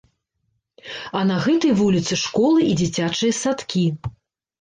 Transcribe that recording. А на гэтай вуліцы школы і дзіцячыя садкі.